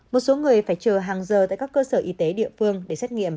một số người phải chờ hàng giờ tại các cơ sở y tế địa phương để xét nghiệm